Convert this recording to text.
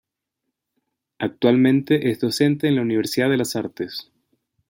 Actualmente es docente en la Universidad de las Artes.